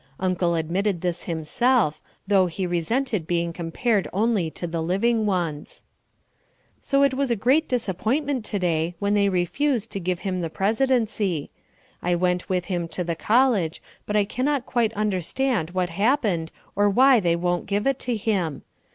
Uncle admitted this himself, though he resented being compared only to the living ones. So it was a great disappointment to day when they refused to give him the presidency. I went with him to the college, but I cannot quite understand what happened or why they won't give it to him.